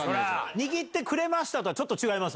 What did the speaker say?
「握ってくれました」とは違います